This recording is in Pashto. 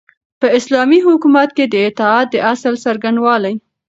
په اسلامي حکومت کي د اطاعت د اصل څرنګوالی